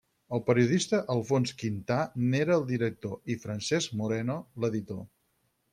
El periodista Alfons Quintà n'era el director i Francesc Moreno, l'editor.